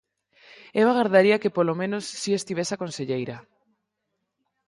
Eu agardaría que polo menos si estivese a conselleira.